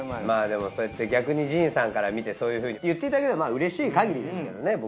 まあでもそうやって逆に陣さんから見てそういうふうに言っていただけるのはうれしいかぎりですけどね